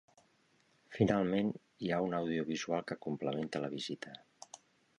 Finalment hi ha un audiovisual que complementa la visita.